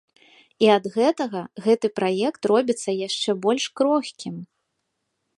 І ад гэтага гэты праект робіцца яшчэ больш крохкім.